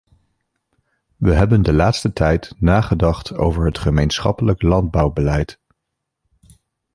We hebben de laatste tijd nagedacht over het gemeenschappelijk landbouwbeleid.